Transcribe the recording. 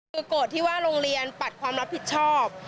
คือโกรธที่ว่าโรงเรียนปัดความรับผิดชอบ